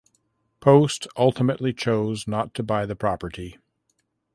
Post ultimately chose not to buy the property.